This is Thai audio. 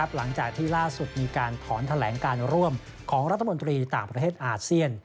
หลังจากที่ล่าสุดมีการถอนแถลงการร่วมของรัฐมนตรีต่างประเทศอาเซียน